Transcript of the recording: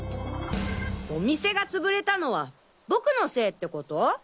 お店がつぶれたのは僕のせいってこと？